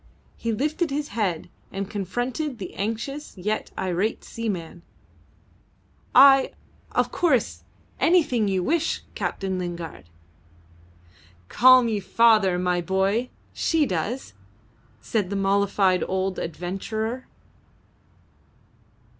He lifted his head and confronted the anxious yet irate seaman. "I of course anything you wish, Captain Lingard." "Call me father, my boy. She does," said the mollified old adventurer.